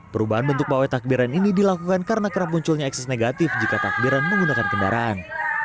perubahan bentuk pawai takbiran ini dilakukan karena kerap munculnya eksis negatif jika takbiran menggunakan kendaraan